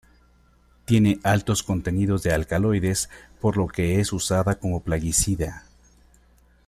Tiene altos contenidos de alcaloides por lo que es usada como plaguicida.